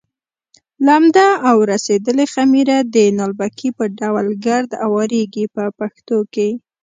لمده او رسېدلې خمېره د نالبکي په ډول ګرد اوارېږي په پښتو کې.